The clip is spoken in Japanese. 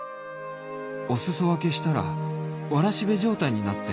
お裾分けしたらわらしべ状態になって